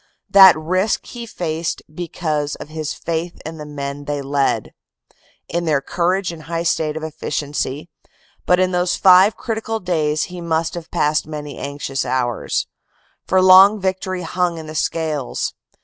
That risk he faced because of his faith in the men they led, in their courage and high state of efficiency, but in those five critical days he must have passed many anxious hours. For long victory hung in the scales.